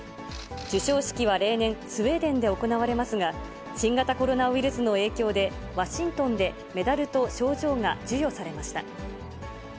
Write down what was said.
授賞式は例年、スウェーデンで行われますが、新型コロナウイルスの影響で、ワシントンでメダルと賞状が授与されました。